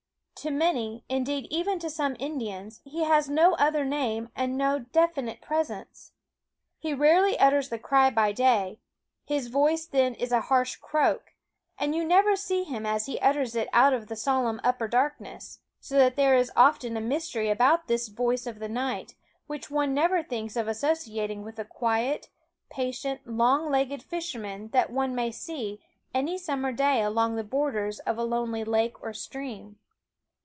To many, indeed, even to some Indians, he has no other name and no definite pres ence. He rarely utters the cry by day his voice then is a harsh croak and you never see him as he utters it out of the solemn upper darkness ; so that there is often a mystery about this voice of the night, which one never thinks of associating with the quiet, patient, long legged fisherman that one may see any summer day along the borders of lonely lake or stream.